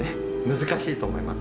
難しいと思います。